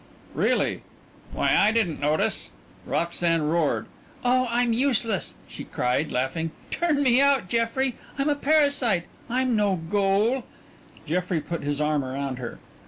"Really " "Why, I didn't notice " Roxanne roared. "Oh, I'm useless," she cried laughing. "Turn me out, Jeffrey I'm a parasite; I'm no good " Jeffrey put his arm around her.